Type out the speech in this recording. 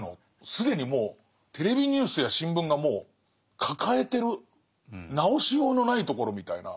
既にもうテレビニュースや新聞がもう抱えてる直しようのないところみたいな。